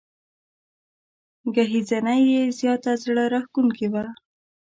ګهیځنۍ یې زياته زړه راښکونکې وه.